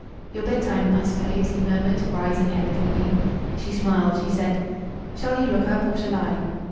"Your bedtime, I suppose?" he murmured, rising elegantly. She smiled. She said "Shall you lock up, or shall I?"